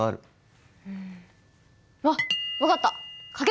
うんあっ分かった！